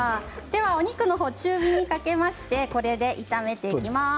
ではお肉の方、中火にかけましてこれで炒めていきます。